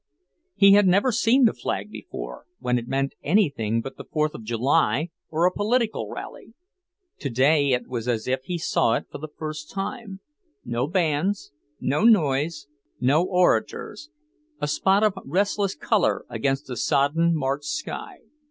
He had never seen the flag before when it meant anything but the Fourth of July, or a political rally. Today it was as if he saw it for the first time; no bands, no noise, no orators; a spot of restless colour against the sodden March sky.